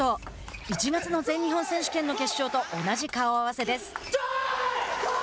１月の全日本選手権の決勝と同じ顔合わせです。